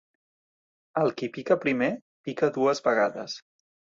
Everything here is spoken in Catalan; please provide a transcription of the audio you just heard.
El qui pica primer, pica dues vegades.